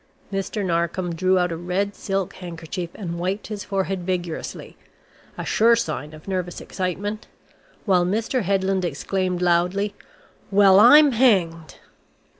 Mr. Narkom drew out a red silk handkerchief and wiped his forehead vigorously a sure sign of nervous excitement while Mr. Headland exclaimed loudly, "Well, I'm hanged!"